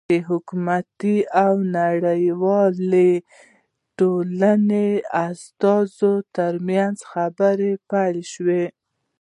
د حکومت او نړیوالې ټولنې استازو ترمنځ خبرې پیل شوې.